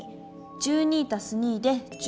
１２＋２で１４。